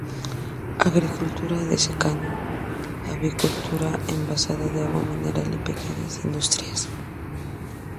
Agricultura de secano, avicultura, envasado de agua mineral y pequeñas industrias.